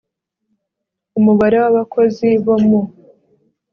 umubare w abakozi bo mu